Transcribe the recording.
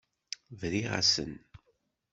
Briɣ-asen.